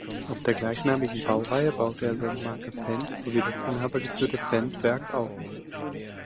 Auf der gleichnamigen Baureihe baute er seine Marke "Fendt" sowie das inhabergeführte Fendt-Werk auf.